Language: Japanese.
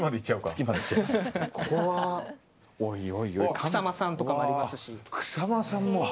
草間さんとかもありますし。